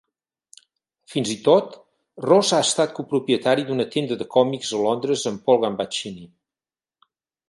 Fins i tot, Ross ha estat copropietari d'una tenda de còmics a Londres amb Paul Gambaccini.